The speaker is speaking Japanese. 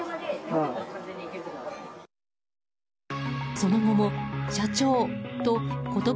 その後も、社長と言葉